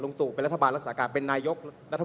คุณเขตรัฐพยายามจะบอกว่าโอ้เลิกพูดเถอะประชาธิปไตย